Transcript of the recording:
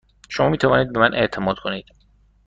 شما می توانید به من اعتماد کنید.